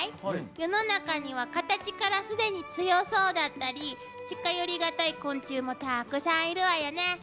世の中にはカタチから既に強そうだったり近寄りがたい昆虫もたくさんいるわよね。